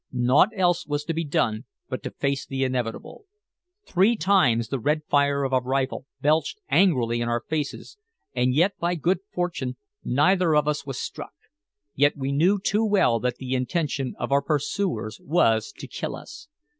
Nought else was to be done but to face the inevitable. Three times the red fire of a rifle belched angrily in our faces, and yet, by good fortune, neither of us was struck. Yet we knew too well that the intention of our pursuers was to kill us.